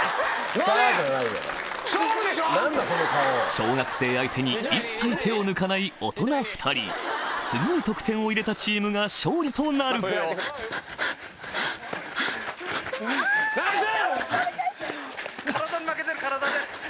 小学生相手に一切手を抜かない大人２人次に得点を入れたチームが勝利となるナイス！